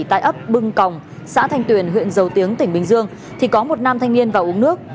trong xã thanh tuyền huyện dầu tiếng tỉnh bình dương thì có một nam thanh niên vào uống nước